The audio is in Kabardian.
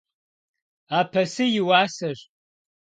Апэсы и уасэщ.